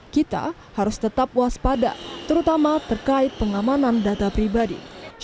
kita harus tetap waspada terutama terkait pengamanan data pribadi